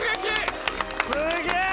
すげえ！